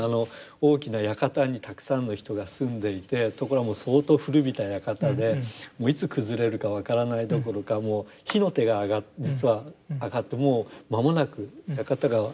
大きな館にたくさんの人が住んでいてところがもう相当古びた館でもういつ崩れるか分からないどころかもう火の手が実は上がってもう間もなく館が。